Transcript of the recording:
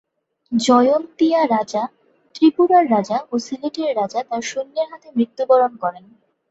জয়ন্তীয়া রাজা, ত্রিপুরার রাজা ও সিলেটের রাজা তার সৈন্যের হাতে মৃত্যুবরণ করেন।।